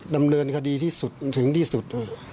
ดำเนินคดีที่สุดถึงที่สุด